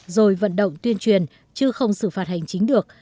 rồi vận động tuyên truyền chứ không xử phạt hành chính được